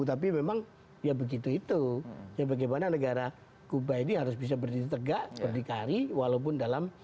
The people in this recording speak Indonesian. tapi memang ya begitu itu ya bagaimana negara kuba ini harus bisa berdiri tegak berdikari walaupun dalam